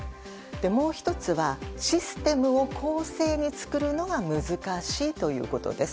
もう１つはシステムを公正に作るのが難しいということです。